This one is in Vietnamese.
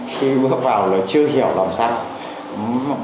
khi bước vào là chưa hiểu làm sao